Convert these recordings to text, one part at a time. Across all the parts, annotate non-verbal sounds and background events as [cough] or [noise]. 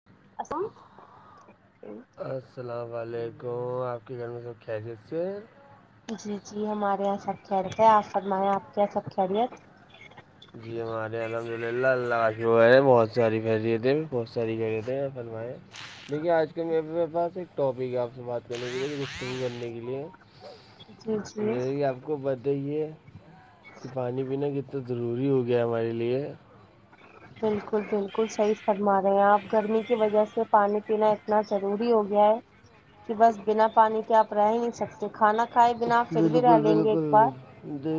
ہاں اس السلام علیکم آپ کے گھر میں س خیرییت سے جی جی ہمارے یہاں سب خیریت ہے آپ فرمائیں آپ کے یہاں سب خیریت جی ہمارے الحمد للہ اللہ آش بہت ساری فیریتیں بہت ساری فیریت ہیں فرما دیکھیے آج کے میرے پاس ایک ٹاپک ہے آپ سے بات کرنے کے لیے گگی کرنے کے لیے جی جی مے آپ کو باتہ یہ ہے کہ پانی پینا کنے ضروری ہو گیا ہمارے لیے بالکل بالکل صحیح گما رہے ہیں آپ گرمی کی وجہ سے پانی پینا اتنا ضروری ہو گیا ہے کہ بس بنا پانی کے آپ رہ ہی نہیں سکتے کھانا کھائے بنا پھر بھی رہ بالکل لیں گے ایک بالکل بار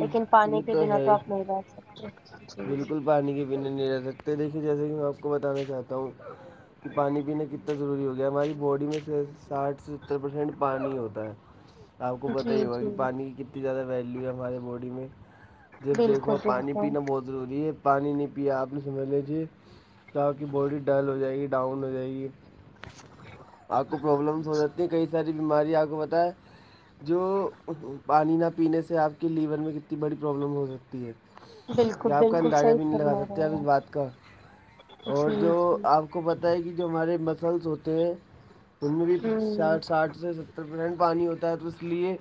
لیکن پانی یہ کے بنا ہے تو آپ نہیں ڈال سکتے جی بالکل پانی کے پینے نہیں رہ سکتے دیکھیے جیسے کہ میں آپ کو بتانا چاہتا ہوں کہ پانی پینا کتنا ضروری ہو گیا ہماری باڈی میں سے ساٹھ سے ستر پرسینٹ پانی ہوتا ہے آپ کو بتا جی یہ ہوا جی کہ پانی کی کتنی زیادہ ویلو ہے ہمارے باڈی میں جب دھو بالکل آپ پانی بالکل پینا بہت ضروری ہے پانی نہیں پیا آپ نے سمجھ لیجے تہ باڈی ڈل ہو جائے گی ڈاؤن ہو جائے گی آپ کو پرابلمس ہو جاتی ہیں کئی ساری بیماری آپ کو بت ہے جو پانی نہ پینے سے آپ کے لیور میں کتنی بڑی پرابلم ہو سکتی ہے بالکل آپ کا بالکل اندازہ بھی صحیح نہیں لگا فرما سکتے رہے آپ ہیں اس بات کا آپ اور جی جو جی آپ کو پت ہے کہ جو ہمارے مسلس ہوتے ہیں ان میں بھی ہوں ساٹھ ساٹھ سے ستر پرسنٹ پانی ہوتا ہے تو لیئے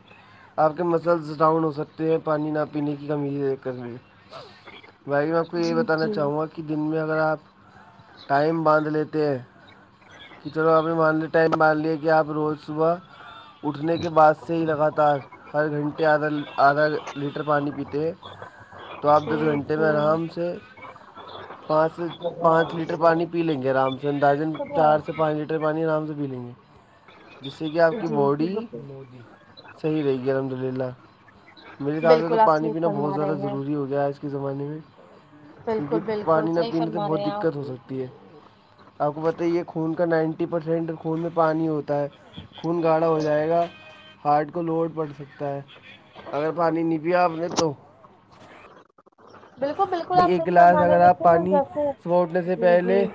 آپ کے مسلز ڈاؤن ہو سکتے ہیں پانی نہ پینے کی کمی دیک کر بھائی میں آپ کو یہ جی بتانا جی چاہوں گا کہ کی دن میں اگر آپ ٹائم باندھ لیتے ہیں کہ چلو آپ نے مان لیا ٹائم مان لیا کہ آپ روز صبح اٹھنے کے بعد سے ہی لگاتار ہر گھنٹے آدھا آدھا لیٹر پانی پیتے ہیں تو آپ دس جی گھنٹے میں آرام سے پانچ سے پانچ لیٹر پانی پی لیں گے آرام سے اندازن جی چار سے پانچ لیٹر پانی آرام سے پی لیں گے جس سے کہ آپ جی کی جی باڈی بالکل صحیح رہے گی الحمد للہ میرے حساب سے تو بالکل آپ پانی صحیح پینا بہت فرما زیادہ رہے ہیں ضروری ہو گیا ہے آج کے زمانے میں کیونکہ بالکل بالکل پانی نہ صحیح پینے سے فرما رہے بہت ہیں دقت ہو آپ سکتی ہے آپ کو بتائیے خون کا نائنٹی پرسینٹ خون میں پانی ہوتا ہے خون گاڑھا ہو جائے گا ہارٹ کو لوڈ پڑ سکتا ہے اگر پانی نہیں پیا آپ نے تو بالکل بالل پ ایک گلاس اگر آپ پانی سوٹنے سے جی پہلے جی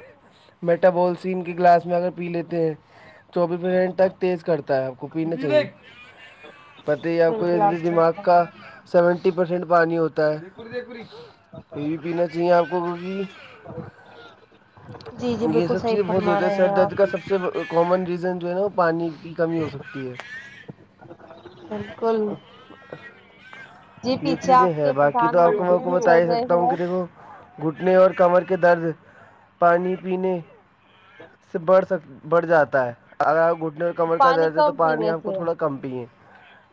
میٹبولسین کے گلاس میں اگر پی لیتے ہیں چوبیس منٹ تک تیز کرتا ہے کوپی نہ چلا پت ہی آپ بالکل کوئی صحیح دماغ کا فرما رہے سیونٹی پرسینٹ پانی ہوتا ہے یہ بھی پینا چاہیے آپ کو کوکی ا یہ سب چیزیں بہت ہوتا ہے سر ہیں درد آپ کا سب اس سے کامن ریزن جو ہے نا وہ پانی کی کمی ہو سکتی ہے بالکل ہ جی [unintelligible] یہ پیچھے چیزیں آپ ہے کے باقی تو پردھان آپ کو میں منتری کو جی بتا چل ہی رہے سکتا ہوں ہیں کسی کو گھٹنے اور کمر کے درد پانیانی پینے سے بڑھ سکتے بڑھ جاتا ہے اگر آپ گھٹنے اور کمر کا پانی درد ہے تو کم پانی پینے آپ کو سے تھوڑا کم پیے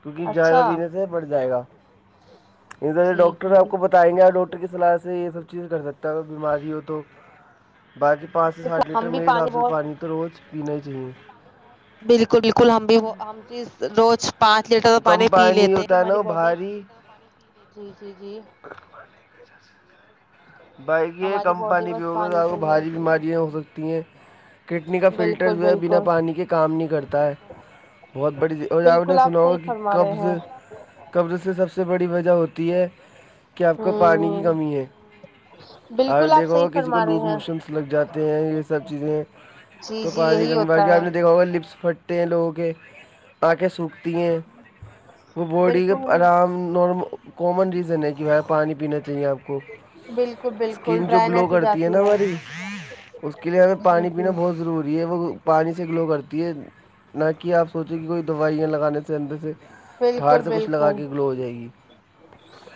کیونکہ جیادہ اچھا پینے سے بڑھ جائے گا ادھر جی ڈاکٹر ہے آپ جی کو بتائیں گے آپ ڈاکٹر ڈٹر کی صلاح سے یہ سب چیز کر سکتا ہے اگر بیماری ہو تو باقی پانچ سے دیکھو، ساٹھ لیٹر ہم م بھی حساب سے بہت پانی تو روز پینا ہی چاہیے بالکل بالکل ہم بھی ہم بھی روز پانچ لیٹر کم پانی پی لیتے ہوتا ہے نا ہماری وہ باڈی بھاری جی جی جی بائک یہ ہماری کم باڈی پانی بھی بس ہوگا پہ ہی بھاری رہتی ہے بیماریاں ہو سکتی ہیں کٹنی کا فلٹر بالکل جو ہے بنا بالکل پانی کے کام نہیں کرتا ہے بہت بڑی چیز اور جائےپ نے بالکل آپ سناؤ صحیح کہ فرما کبز رہے ہیں سے قبض سے سب سے بڑی وجہ ہوتی ہے کہ آپ کو پانی کی ہوں کمی ہے آ بالکل آپ صحیح دیکھو کسی کو فرما لوز رہے ہیں موشنس لگ جاتے ہیں یہ سب چیزیں جی تو جی پانی یہی کمی ہوتا باقی ہے آپ نے دیکھا ہوگا لپس پھٹتے ہیں لوگوں کے آ کے سوکھتی ہیں وہ باڈی کے بالکل آرام نارمل کامن ریزن ہے کہ وہ پانی پینا چاہیے آپ کو بالکل بالکل اسکن جو گلو ڈرائنیس ہو کرتی ہے جاتی نا ہماری اس کے لیے ہمیں جی پانی پینا جی بہت ضروری ہے وہ پانی سے گلو کرتی ہے نہ کہ آپ سوچیں کہ کوئی دوائیاں لگانے سے اندر سے بالکل پہاڑ سے کچھ لگا بالکل کے گلو ہو جائے گی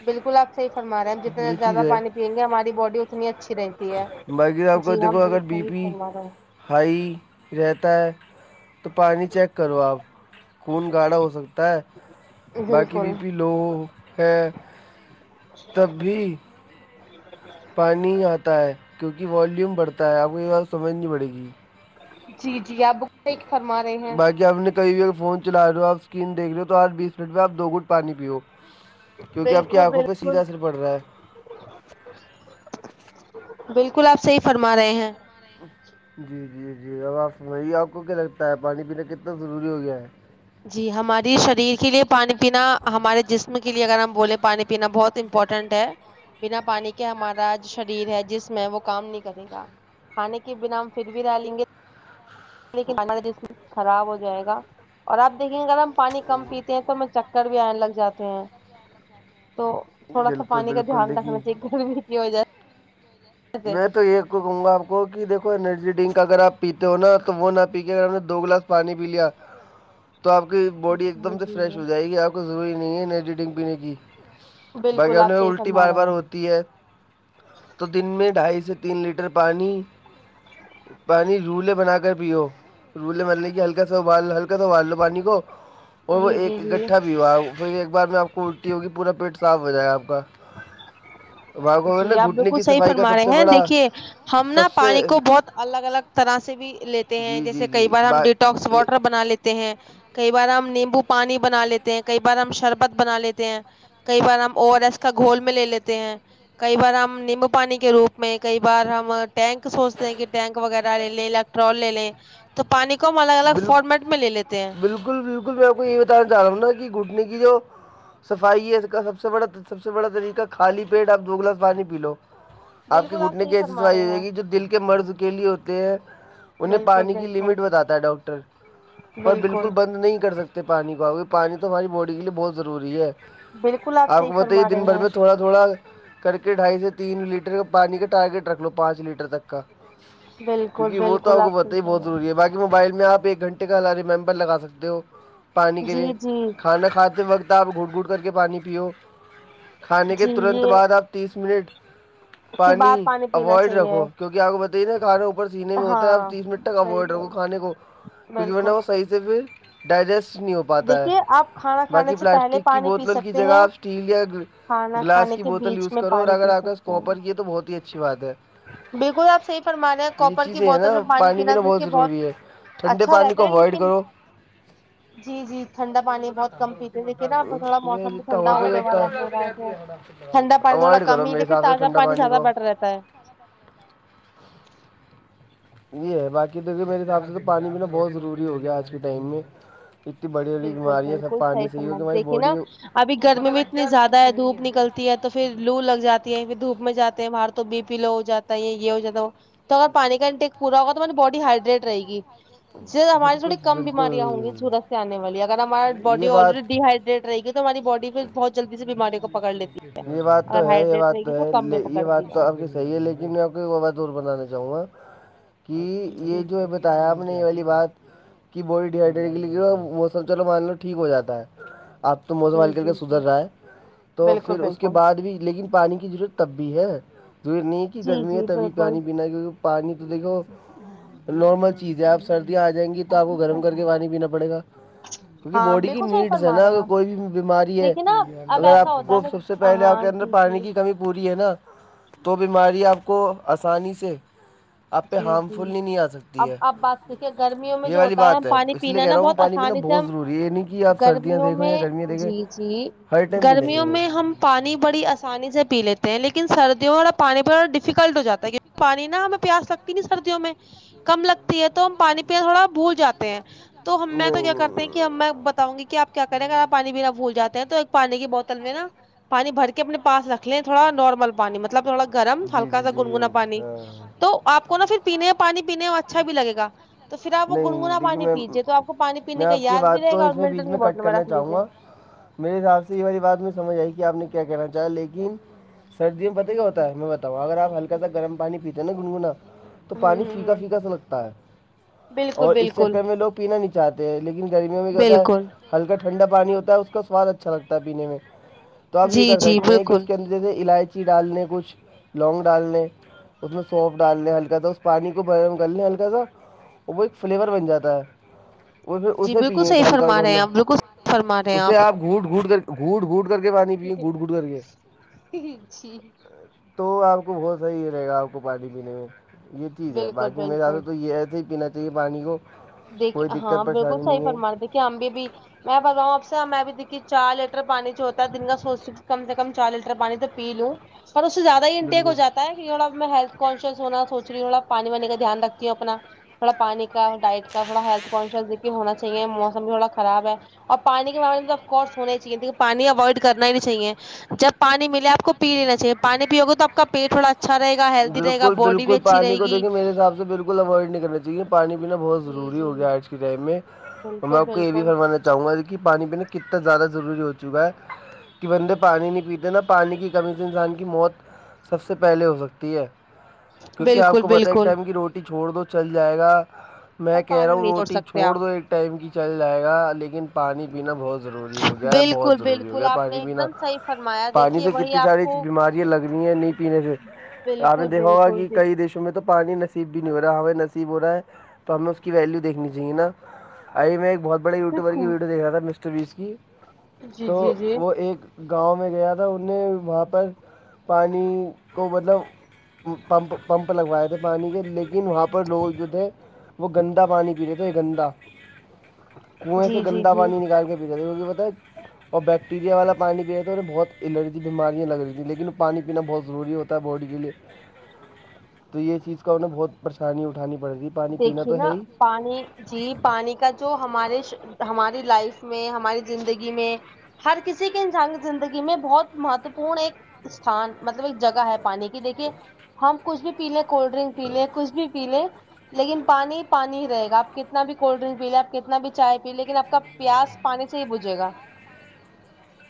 بالکل آپ صحی فرماے ہیں ہم جتنے یہ چیز زیادہ ہے پانی پئیں گے ہماری باڈی اتنی اچھی رہتی ہے باقی آپ کو جی ہم دیکھو اگر بت بی صحیح پی س رہا ہائی رہتا ہے تو پانی چیک کرو آپ خون گاڑھا ہو سکتا ہے ہیں باقی بالکل بی پی لو ہے تب بھی [unintelligible] پانی ہی آتا ہے کیونکہ والیوم بڑھتا ہے آپ کو یہ بات سمجھ نہیں پڑے گی جی جی آپ بک فرما رہے ہیں باقی اپنے کئی و فون چلا رہ ہو آپ اسکرین دیکھ رہ ہو تو آج بیس منٹ میں آپ دو گٹ پانی پیو کیونکہ آپ کی بالکل آنکھوں پہ بالکل سیدھا اثر پڑ رہا ہے بالکل آپ صحی فرما رہے ہیں جی جی جی اب آپ سمائیے آپ کو کیا لگتا ہے پانی پین کتنا ضروری ہو گیا ہے جی ہماری شریر کے لیے پانی پینا ہمارے جسم کے لیے اگر ہم بولیں پانی پینا بہت امپورٹنٹ ہے بنا پانی کے ہمارا جو شریر ہے جسم ہے وہ کام نہیں کرے گا کھانے کے بنا ہم پھر بھی رہ لیں گے لیکن کاا جسم خراب ہو جائے گا [unintelligible] اور آپ دیکیں گے اگر ہم پانی کم پیتے ہیں تو ہمیں چکر بھی آنے لگ جاتے ہیں تو تھوڑا سا بالکل پانی کا بالکل دھیان رکھنا دیکھیے چاہیے گرمی کی ہو جائے میں تو ایک کو کہوں گا آپ کو کہ دیکو انرجی ڈرنک اگر آ پیتے ہو نا تو وہ نہ پی کے اگر ہمپ نے دو گلاس پانی پی لیا تو آپ کی باڈی ایک جی جی دم سے فریش ہو جی جائے گی آپ کو ضروری نہیں ہے ن ایڈیٹنگ پینے کی بق بالکل ان آپ صحیح الٹی فرما بار بار رہے ہوتی ہے تو دن میں ڈھائی سے تین لیٹر پانی رولے بنا کر پیو رے مرنے کہ ہلکا ابالو ہلکا سا ابال لو پانی کو ہیں اور وہ جی جی ایک جی اکٹھا بھی ہوا پھر ایک بار میں آپ کو الٹی ہوگی پورا پیٹ صاف ہو جائے گا آپ کا بگ نے گھٹنے کی صفائی پرر کا سب مارے سے ہیں بڑا دیکھیے ہم نا سب سے پانی کو بہت الگ الگ طرح سے بھی لیتے ہیں جی جی جیسے کئی جی بار ہم با ڈیٹاکس واٹر بنا لیتے ہیں کئی بار ہم نیمبو پانی بنا لیتے ہیں کئی بار ہم شربت بنا لیتے ہیں کئی بار ن ہم او ایس گھول میں لے لیتے ہیں کئی بار ہم نمب پانی کے روپ میں کئی بار ہم ٹینک سوچتے ہیں کہ ٹینک وغیرہ لے لیں الیکٹرول لے لیں تو پانی کو ہم الگ الگ بل فارمیٹ میں لے لیتے ہیں بالکل بالکل میں آپ کو یہ بتانا چاہ رہ ہوں نا کہ گھٹنے کی جو صفائی ہے اس کا سب سے بڑا سب سے بڑا طریقہ خالی پیٹ آپ دو گلاس پانی پی لو آپ کے بالکل گھٹنے صحیح کی ایسی فرما صفائی رہے ہوائے ہیں گی جو دل کے مرض کے لیے ہوتے ہیں انہیں بالکل پانی کی بالکل لمٹ بتاتا ہے ڈاکٹر پر بالکل بند نہیں کر سکتا پانی پاؤ گے پانی تو ہماری باڈی کے لیے بہت ضروری ہے بالکل آپ صحیح کو بتائیے فرما رہے دن بھر ہیں میں تھوڑا تھوڑا کر کے ڈھائی سے تین لیٹر کا پانی کا ٹارگیٹ رکھ لو پانچ لیٹر تک بالکل کیونکہ وہ تو آ بالکل کو آپ صحیح پت ہی بہت فرما ضروری رہے ہے باقی موبائل میں آپ ایک گھنٹے کا ریممبر لگا سکتے ہو پانی کے لئے ہیں جی جی کھانا کھاتے وقت آپ گھٹ گھٹ کر کے پانی پیو کھانے کے جی ترنت یہ بعد آپ تیس منٹ اس کے پانی بعد پینا اوائڈ چاہیے رکھو کیوںک آپ کو بتائیےا کھانا اوپر سینے میں ہوتا ہے اپ ہاں تیس منٹ تک اوائڈ رکھو بالکل کھانے کو کیونکہ میں نے بالکل وہ صحیح سے پھر ڈائجیسٹ نہیں ہو پا پاتا ہے دیکھیے آپ کھانا کھانے باقی سے پہلے پلاسٹک کی پانی پی بوتل کی سکتے جگہ ہیں آپ اسٹیل یا کھانا گلاس کھانے کی کے بوتل بیچ یوز میں کرو اور پانی اگر پی آپ کے سکتے کوپر کی ہیں ہے تو بہت ہی اچھی بات ہے بالکل آپ صحی فرمان رہے ہیں یہ کوپر کی چیزیں ہیں بوتل نا میں پانی پینا دیکھیے بہت ضروری ہے ٹھنڈے اچھا پانی رہتا کو ہے اوائڈ لیکن کرو جی جی ٹھنڈا پانی بہت کم پیتے ہیں دیکھیے نا ا تھوڑا یہ موسم بھی جتنا ہو ٹھنڈا سکے ہونے والا ہو رہا ہے تو اتنا ٹھنڈا پانی تھوڑا اوائڈ کرو کم ہی میرے دیکھر حساب سے تازہ ٹھنڈا پانی زیادہ کو بیٹر رہتا ہے یہ ہے باقی دیکے میرے حساب سے تو پانی پینا بہت ضروری ہو گیا آج کے ٹائم میں اتنی بڑی بڑی بالکل بیماریاں سب بالکل پانی صحیح سے ہی سمان کیونکہ ہماری دیکھیے نا باڈی ابھی گرمی میں اتنی زیادہ ہے دھوپ نکلتی ہے تو پھر لو لگ جاتی ہے پھر دھوپ میں جاتے ہیں باہر تو بی پی لو ہو جاتا ہے یہ ہو جاتا وہ تو اگر پانی کا انٹیک پور ہوگا تو مے بڈی ہائڈریٹ رہےی ج ہماری بالکل تھوڑی کم بالکل بیماریاں ہوں گی سورت آ والی اگر ہمار بڈی یہ بات آلریڈی ڈی ہائڈریٹ رہ گی تو ہماری باڈی پ بہت جلدی سے بیماری کوکڑ لیتی یہ بات تو اگر ہے یہ ہائڈریٹ بات رہے گی تو ہے کم میں یہ بات پکڑتی تو ہے اب ک صحی ہے لیکن میں آپ کو وبا دور بتانا چاہوں گا کہ جی جی یہ جو ہے بتایا آپ یہ والی بات کہ باڈی ڈییہائیڈریٹ لی موسم چلو مان لو ٹھیک ہو جاتا ہے اب تو موزوں جی مال کر کے جی سدھر جی رہا ہے تو بالکل پھر اس کے بالکل بعد بھی لیکن پانی کی ضرورت تب بھی ہے دور نہیں کی جی گرمی ہے جی تبھی بالکل پانی پینا کیکہ پانی تو دیکھو نارمل چیزیں آپ سردیاں آ جائیں گی تو آپ کو گرم کر کے پانی پینا پڑے گا کیونکہ ہاں باڈی کی بالکل صحیح نیڈس ہے فرما نا رہے ہیں ا آپ کوئی بھی بیماری ہے دیکھیے نا اب اگر ایسا آپ ہوتا ہے کو میرے سب پہلے آ ہاں کے اندر جی جی پانی کی کمی کو پوری ہے نا تو بیماری آپ کو آسانی سے آپ پہ ہارم فل ہی نہیں آ سکتی ہے آپ بات سیکھے گرمیوں میں یہ جو والی ہوتا ہے ہم بات پانی اس لیے پینا ہے کہہ نا رہا ہوں بہت پانی پینا آسانی سے بہت ہم ضروری ہے یہ نہیں کہ آپ سردیاں گرمیوں دیکھیں یا میں گرمیاں دیکھیں جی جی ہر ٹائم پینا گرمیوں میں چاہیے ہم پانی بڑی آسانی سے پی لیتے ہیں لیکن سردیوں والا پانی پہا ڈیفیکلٹ ہو جاتا ہے کیہ پانی نا ہمیں پیاس لگتی نہیں سردیوں میں کم لگتی ہے تو ہم پانی پنے تھوڑا بھول جاتے ہیں تو ہم میں تو کیا کرتے ہیں کہ ہم میں بتاؤں گی کہ آپ کیا کریں ہیں اگر آپ پانی بنا پھولاتے ہیں تو ایک پانی کی بوتل میں نا پانی بھر کے اپنے پاس رکھ لیں تھوڑا نارمل پانی مطلب تھوڑا گرم ہلکا سا گنگنا پانی تو آپ کو نا پھر پینے پانی پینے اچھا بھی لگےا تو پھر آ وہ نہیں گنگنا دیکھیے پانی میں پیجیے تو آپ کو کو پانی میں پینے کا آپ کی یاد بھی بات رہے کو گا اس اور میں بیچ ملٹن کی بوٹل کٹ میں کرنا رکھ چاہوں لیجیے گا میرے حساب سے یہ والی بات میں سمجھ آئی کہ آپ نے کیا کہنا چاہا لیکن سردی میں پت کیا ہوتا میں بتاؤںا اگر آ ہلک سا گرم پانی پیتے نا گنگنا تو پانی ہوں پیکا ہوں پھیکا سا لگتا ہے بالکل اور اس بالکل چکر میں لوگ پینا نے چاہتے ہیں لیکن گرمیوں میں بھی کہتا ہے بالکل ہلکا ٹھنڈا پانی ہوتا ہے اس کا سواد اچھا لگتا ہے پینے میں تو آپ یہ جی کر جی سکتے ہیں کہ اس بالکل کے اندر تھے الائچی ڈالنے کچھ لونگ ڈالنے اس میں سونف ڈالنے ہلکا سا اس پانی کو برم کر ل ہلکا سا وہ ایک فلیور بن جاتا ہے اور پھر جی اسے بالکل پیے صحیح ہلکا فرما رہے گ ہیں آپ بالکل صحیح فرما رہے ہیں اسے آپ گوٹ گڈ گ گوڈ گوڈ جی [unintelligible] تو آپ کو بہت صحیح رہے گا آپ کو پانی پینے میں یہ چیز ہے بالکل باقی میرے سے بالکل تو یہ ایسے ہی پینا چاہیے پانی کو کوئی دیکھیے ہاں دقت بالکل پریشانی صحی نہیں فرما ہے دیکھیے آمب بھی میں بتا رہ ہوں آپ سے میں بھی دیکھی چار لیٹر پانی جو ہوتا ہے دن کا سوچ سک کم سے کم چار لیٹر پانی ت [unintelligible] پی لوں پر اس سے زیادہ ہی انٹیک ہو بالکل جاتا ہے [unintelligible] تھوڑا میں ہیلتھانشیس ہونا سوچ رہی ہوں تھوا پانی وانی کا دھیان رکھتی ہوں اپنا تھوڑا پانی کا ڈائٹ کا تھوڑا ہیتھی د ہونا چاہی مسم بھی تھوڑا خراب ہے اور پانی کے بابے میں تو اف کورس ہونا ہی چاہیے لیکن پانی اوائڈ کرنا ہی چاہیے [unintelligible] جب پانی ملے آپ کو پی لینا چاہیے پانی پیو گے توپ کا پیٹ تھوڑا اچھا رہےا ہیلدی رہےا باڈی بھی اچھی رہےی ساب سے بالکل اوائڈ نہیں کرنا چاہیے پانی پینا بہت جی ضروری ہو جی گ آج کے ٹائم میں اور میں بالکل آپ کو یہ بھی بالکل فرمانا چاہوں گا کہ پانی پینے کتنا زیادہ ضروری ہو چکا ہے [unintelligible] کہ بندے پانی نہیں پیتے نا پانی کی کمی سے انسان کی موت سب سے پہلے ہو سکتی ہے کیونکہ آپ بالکل کو پتا ہے ایک بالکل ٹائم کی روٹی چھوڑ دو چل جائے گا پر میں کہہ رہا پانی ہوں نہیں روٹی سکتے چھوڑ آپ دو ایک ٹائم کی چل جائے گا لیکن پانی پینا بہت ضروری ہو گیا ہے بالکل بہت ضروری ہو بالکل گیا آپ نے پانی ایک پینا دم صحیح فرمایا پانی دیکھیے سے وہی کتنی آپ ساری کو بیماریاں لگ رہ ہیں نہیں پینے سے آپ نے بالکل دیکھا ہوگا بالکل کہ کئی دیشوں اس میں تو پانی نصیب بھی نہیں ہو رہا ہو نصب ہو رہا ہے تو ہمیں اس کی ویلیویکھ لیجیاہیے نا آئی میں ایک بہت بڑے یٹیوبر دیکھ کی ویڈیو دیک رہا تھا مٹر وس کی جی تو جی جی وہ ایک گاؤں میں گیا تھا ان نے وہاں پر [unintelligible] پانی کو مطلب [unintelligible] پمپ پمپ لگوائے تھے پانی کے لیکن وہاں پر لوگ جو تھے [unintelligible] وہ گندا پانی پی لیتے ہے گندا [unintelligible] کنویں سے جی جی گندا جی پانی نکال کے پی جا وہ کہ بتائے اور بیکٹیریا والا پانی پیا تو انہیں بہت الرجی بیماریا لگ رہی ہیں لیکن وہ پانی پینا بہت ضروری ہوتا ہے باڈی کے لیے تو یہ چیز کا نے بہت پریشانی اٹھانی پڑی دیکھیے نا پانی جی پانی کا جو ہمارے ہماری لائف میں ہماری زندگی میں ہر کسی کے انسان کی زندگی میں بہت مہتوپورن ایک استھان مطلب ایک جگہ ہے پانی کی دیکھیے ہم کچھ بھی پی لے کولڈ ڈرنک پی لے کچھ بھی پی لے [unintelligible] لیکن پانی پانی ہی رہےا آپ کتنا بھی کولڈ ڈرنک پی لے آپ کتنا بھی چائے پی لے لیکن آپ کا پیاس پانی سے ہی بجے گا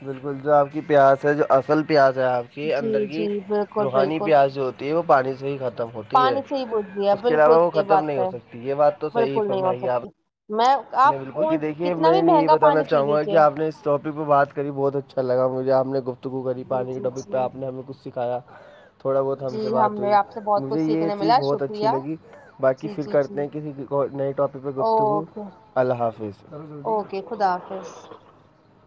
بالکل جو آپ کی پیاس ہے جو اصل پیاس ہے آپ کی جی اندر کی جی بالکل روحانی بالکل پیاز جو ہوتی ہے [unintelligible] وہ پانی سے ہی کھا [unintelligible] [unintelligible] خم ہوتی ہے پانی سے ہی بجھتی ہے اس کے بالکل علاوہ وہ صحیح ختم بات نہیں ہو ہے سکتی یہ بات تو صحیح بالکل نہیں ہو فرمائیے آپ [unintelligible] سکتی میں [unintelligible] بالکل کہ کون دیکھیے کتنا میں بھی یہ مہنگا بتانا پانی پی چاہوں گا کہ لیجیے آپ نے اس ٹاپک پہ بات کری بہت اچھا لگا مجھے آ نے گفت [unintelligible] گو کری جی پانی کے جی ڈبی پہ آپ نے جی ہمیں کچھ سکھایا تھوڑا بہت ہم جی سے بات نے ہوئی آپ سے بہت مجھے کچھ یہ سیکھنے چیز ملا بہت اچھی شکریہ لگی باقی جی پھر جی جی کرتے ہیں کسی نئے ٹاپک پہ گفتگو اوکے اللہ حافظ اوکے خدا حافظ